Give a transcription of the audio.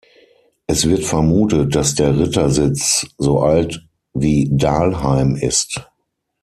Es wird vermutet, dass der Rittersitz so alt wie Dalheim ist.